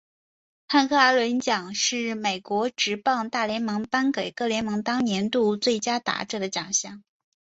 汉克阿伦奖是美国职棒大联盟颁给各联盟当年度最佳打者的奖项。